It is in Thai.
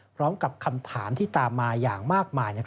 พร้อมกับคำถามที่ตามมาอย่างมากมาย